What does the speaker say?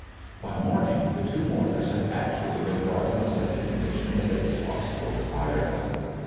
By morning, the two mortars had actually been brought into such a condition that it was possible to fire them.